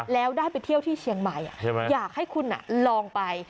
แล้วได้ไปเที่ยวที่เชียงใหม่อยากให้คุณลองไป